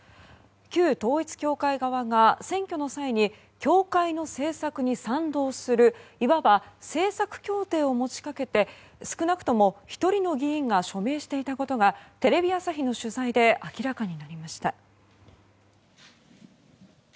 旧統一教会側が選挙の際に教会の政策に賛同するいわば、政策協定を持ち掛けて少なくとも１人の議員が署名していたことがテレビ朝日の取材で明らかになりました。